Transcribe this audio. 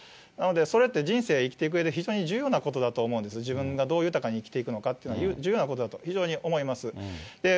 なのでそれって、人生生きていくうえで非常に重要なことだと思うんです、自分がどう豊かに生きていくかということは、自由なことだと思います。